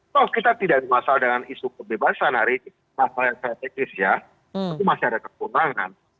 kalau kita tidak masalah dengan isu kebebasan hari ini masalah yang saya tekis ya itu masih ada kekurangan